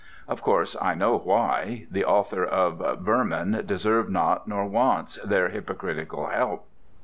Of course I know why ... the author of 'Vermin' deserves not, nor wants, their hypocritical help.